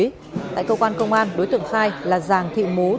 cơ quan công an tiến hành bắt giữ khẩn cấp bốn đối tượng đều trú tại thành phố hạ long